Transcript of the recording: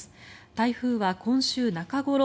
台風は今週中ごろ